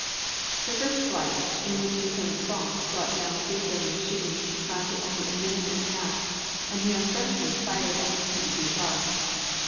The first fight, in which Lieutenant Fonck brought down three German machines, lasted only a minute and a half, and the young Frenchman fired only twenty two shots.